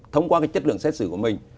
thông qua cái chất lượng xét xử của mình